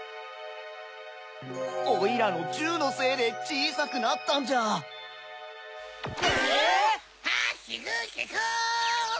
オイラのじゅうのせいでちいさくなったんじゃ⁉え⁉・ハヒフヘホ！